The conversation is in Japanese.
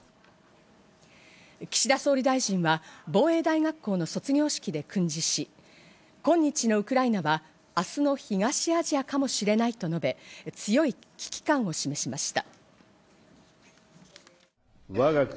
岸田総理大臣は防衛大学校の卒業式で訓示し、今日ウクライナは明日の東アジアかもしれないと述べ、強い危機感を示しました。